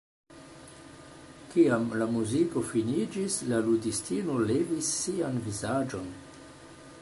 Kiam la muziko finiĝis, la ludistino levis sian vizaĝon.